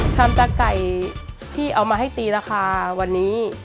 ตาไก่ที่เอามาให้ตีราคาวันนี้